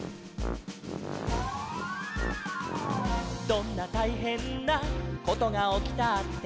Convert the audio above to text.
「どんなたいへんなことがおきたって」